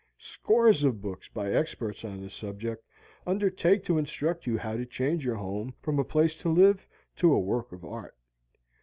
Scores of books by experts on the subject undertake to instruct you how to change your home from a place to live in to a work of art.